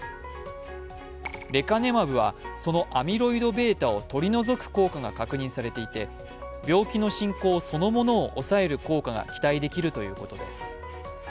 レカネマブはそのアミロイドβを取り除く効果が確認されていて病気の進行そのものを抑える効果が期待できるということです。